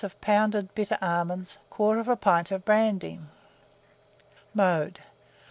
of pounded bitter almonds, 1/4 pint of brandy. Mode.